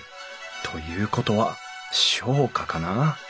ということは商家かな。